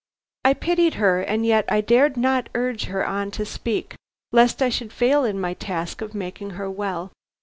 I pitied her and yet I dared not urge her on to speak, lest I should fail in my task of making her well.